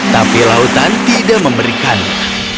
tapi lautan tidak memberikannya